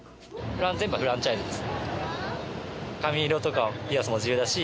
全部フランチャイズですね。